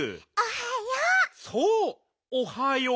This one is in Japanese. おはよう！